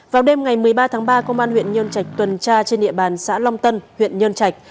vào đêm ngày một mươi ba tháng ba công an huyện nhân trạch tuần tra trên địa bàn xã long tân huyện nhơn trạch